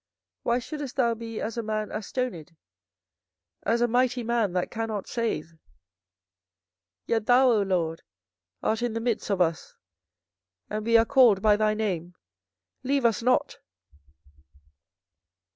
24:014:009 Why shouldest thou be as a man astonied, as a mighty man that cannot save? yet thou, O LORD, art in the midst of us, and we are called by thy name; leave us not.